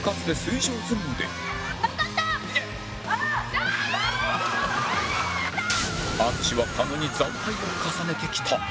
淳は狩野に惨敗を重ねてきた